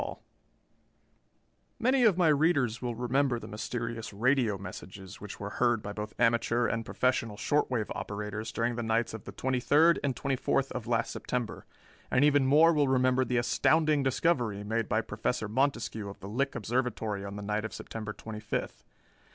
_] Many of my readers will remember the mysterious radio messages which were heard by both amateur and professional short wave operators during the nights of the twenty third and twenty fourth of last September, and even more will remember the astounding discovery made by Professor Montescue of the Lick Observatory on the night of September twenty fifth.